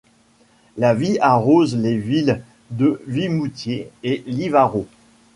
La Vie arrose les villes de Vimoutiers et Livarot.